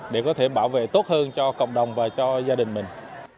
để có thể bảo vệ tốt hơn cho cộng đồng và cho gia đình mình